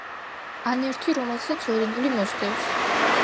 ან ერთი რომელსაც ორი ნული მოსდევს.